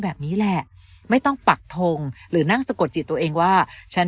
แบบนี้แหละไม่ต้องปักทงหรือนั่งสะกดจิตตัวเองว่าฉัน